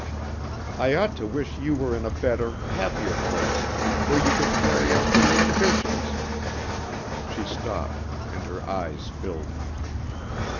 I ought to wish you were in a better, happier place, where you could carry out your ambitions " She stopped, and her eyes filled.